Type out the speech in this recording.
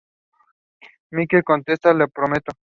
Mickey contesta: ""Lo...prometo"".